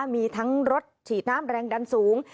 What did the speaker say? มีทั้งรถฉีดน้ำแรงดันสูง